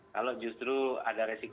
kalau justru ada resiko